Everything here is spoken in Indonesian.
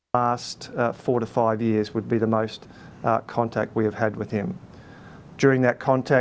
kami tahu bahwa pelaku ini telah menderita keadaan mental